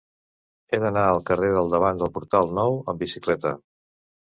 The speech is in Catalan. He d'anar al carrer del Davant del Portal Nou amb bicicleta.